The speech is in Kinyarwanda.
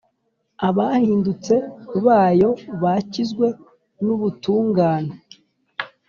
abahindutse bayo bakizwe n’ubutungane.